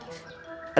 aduh deh yaa